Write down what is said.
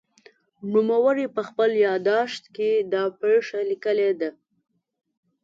نوموړي په خپل یادښت کې دا پېښه لیکلې ده.